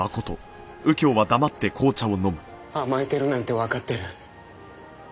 甘えてるなんてわかってる。